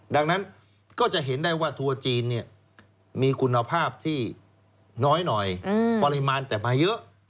ดังนั้นก็จะเห็นได้ว่าทัวร์จีนมีคุณภาพที่น้อยหน่อยปริมาณแต่มาเยอะ